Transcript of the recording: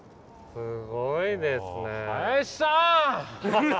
すごいですね。